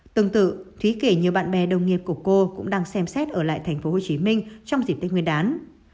tương tự thúy kể nhiều bạn bè đồng nghiệp của cô cũng đang xem xét ở lại tp hcm trong dịp tết nguyên đán